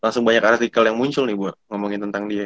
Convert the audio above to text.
langsung banyak artikel yang muncul nih bu ngomongin tentang dia